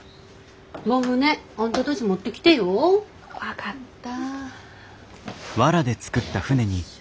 盆船あんたたち持ってきてよ。分かった。